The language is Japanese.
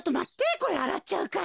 これあらっちゃうから。